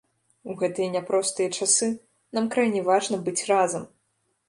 У гэтыя няпростыя часы, нам крайне важна быць разам.